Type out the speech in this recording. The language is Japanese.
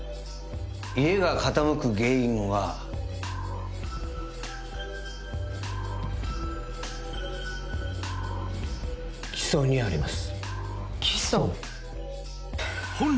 家が傾く原因は基礎にあります